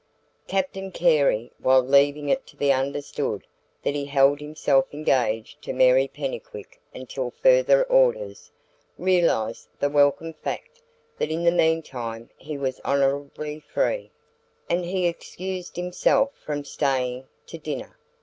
Captain Carey, while leaving it to be understood that he held himself engaged to Mary Pennycuick until further orders, realised the welcome fact that in the meantime he was honourably free; and he excused himself from staying to dinner.